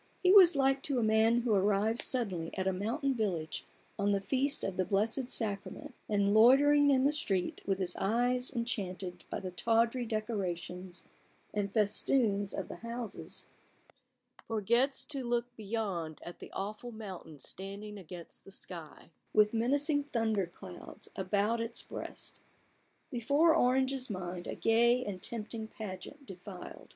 He was like to a man who arrives suddenly at a mountain village on the feast of the Blessed Sacrament, and loitering in the street with his eyes enchaunted by the tawdry decorations and festoons of 20 A BOOK OF BARGAINS. the houses, forgets to look beyond at the aweful mountain standing against the sky, with menacing thunder clouds about its breast. Before Orange's mind a gay and tempting pageant denied.